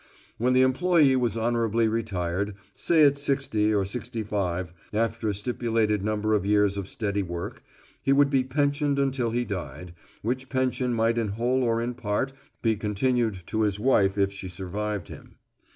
When the employe was honorably retired, say at sixty or sixty five, after a stipulated number of years of steady work, he would be pensioned until he died, which pension might in whole or in part be continued to his wife if she survived him.